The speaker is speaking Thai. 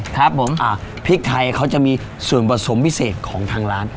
ครับผมพริกไทยเขาจะมีส่วนผสมพิเศษของทางร้าน